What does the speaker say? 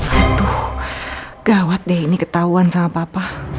aduh gawat deh ini ketahuan sama papa